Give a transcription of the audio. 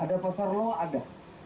ada pasarlah ada